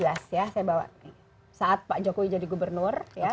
waktu dua ribu tiga belas ya saya bawa saat pak jokowi jadi gubernur